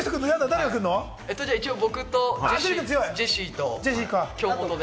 僕とジェシーと京本で。